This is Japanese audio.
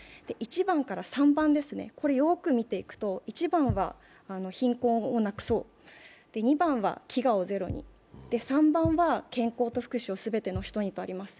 １番から３番をよく見ていくと１番は貧困をなくそう、２番は飢餓をゼロに、３番は健康と福祉を全ての人にとあります。